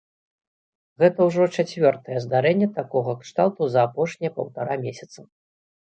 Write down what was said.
Гэта ўжо чацвёртае здарэнне такога кшталту за апошнія паўтара месяца.